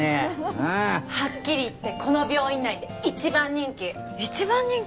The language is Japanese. うんはっきり言ってこの病院内で一番人気一番人気？